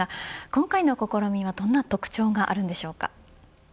今回の試みはどんな特徴があるんでしょうか。